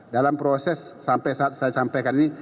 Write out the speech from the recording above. dalam proses sampai saat saya sampaikan ini